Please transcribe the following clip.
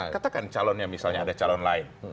katakan calonnya misalnya ada calon lain